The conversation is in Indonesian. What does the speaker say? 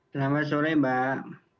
selamat sore mbak